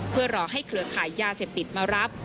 เพื่อรอให้เครือขายยาเสพติดมารับ